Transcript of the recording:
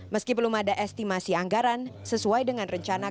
meski belum ada estimasi anggaran sesuai dengan rencana